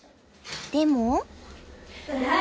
でも。